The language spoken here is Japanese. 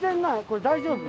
これ大丈夫？